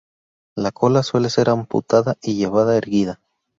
La cola suele ser amputada y llevada erguida.